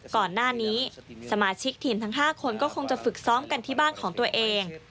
ก่อนหน้านี้สมาชิกทีมทั้ง๕คนก็คงจะฝึกซ้อมกันที่บ้านของตัวเอง